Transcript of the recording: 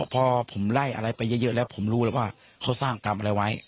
พอผมไล่อะไรไปเยอะแล้วผมรู้แล้วว่าเขาสร้างกรรมอะไรไว้